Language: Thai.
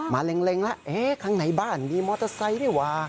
มาเร็งแล้วข้างในบ้านมีมอเตอร์ไซต์นี่หว่า